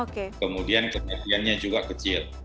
kemudian kematiannya juga kecil